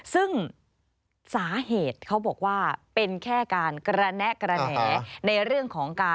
ซึ่งสาเหตุเขาบอกว่าเป็นแค่การกระแนะกระแหน